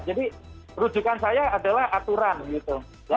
jadi rujukan saya adalah aturan gitu